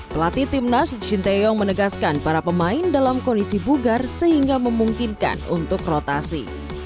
pelatih tim nasion chinteyong menegaskan para pemain dalam kondisi bugar sehingga memungkinkan untuk rotasi